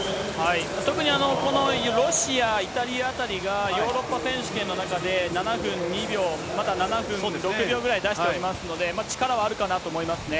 特にこのロシア、イタリアあたりが、ヨーロッパ選手権の中で７分２秒、また７分６秒ぐらい出してますので、力はあるかなと思いますね。